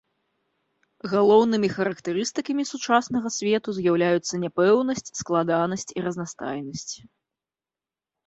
Галоўнымі характарыстыкамі сучаснага свету з'яўляюцца няпэўнасць, складанасць і разнастайнасць.